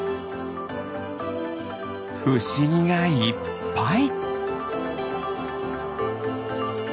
ふしぎがいっぱい。